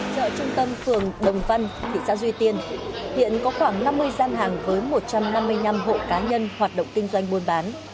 chợ trung tâm phường đồng văn thị xã duy tiên hiện có khoảng năm mươi gian hàng với một trăm năm mươi năm hộ cá nhân hoạt động kinh doanh buôn bán